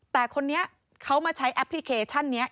แต่คนนี้เขามาใช้แอปพลิเคชันนี้